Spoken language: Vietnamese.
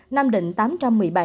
nam định một tám trăm một mươi bảy ca